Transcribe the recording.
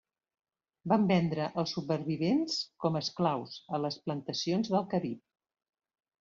Van vendre els supervivents com a esclaus a les plantacions del Carib.